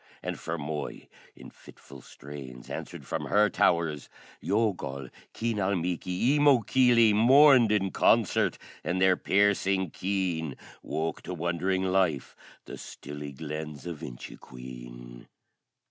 And Fermoy in fitful strains Answered from her towers. Youghal, Keenalmeaky, Eemokilly, Mourned in concert, and their piercing keen Woke to wondering life the stilly Glens of Inchiqueen.